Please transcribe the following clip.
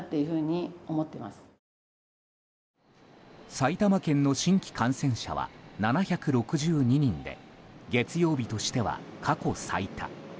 埼玉県の新規感染者は７６２人で月曜日としては過去最多。